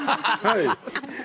はい。